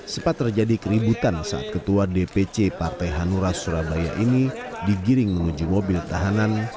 sempat terjadi keributan saat ketua dpc partai hanura surabaya ini digiring menuju mobil tahanan